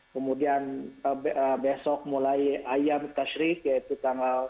kemudian besok mulai ayam tashrik yaitu tanggal sepuluh zul hijah